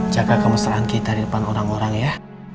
jaga kemesraan kita di depan orang orang ya